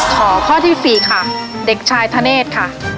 ข้อที่๔ค่ะเด็กชายธเนธค่ะ